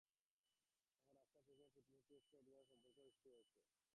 কিন্তু এখন রাশিয়ার প্রেসিডেন্ট পুতিনের সঙ্গে তুরস্কের এরদোয়ানের চমৎকার সম্পর্ক সৃষ্টি হয়েছে।